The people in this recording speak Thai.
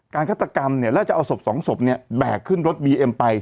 ฆาตกรรมเนี่ยแล้วจะเอาศพสองศพเนี่ยแบกขึ้นรถบีเอ็มไป